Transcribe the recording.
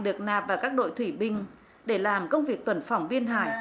được nạp vào các đội thủy binh